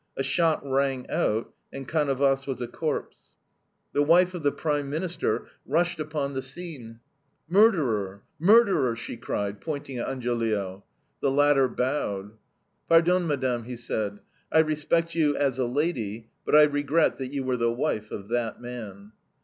A shot rang out, and Canovas was a corpse. The wife of the Prime Minister rushed upon the scene. "Murderer! Murderer!" she cried, pointing at Angiolillo. The latter bowed. "Pardon, Madame," he said, "I respect you as a lady, but I regret that you were the wife of that man."